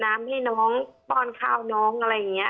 ให้น้องป้อนข้าวน้องอะไรอย่างนี้